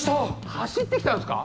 走ってきたんすか？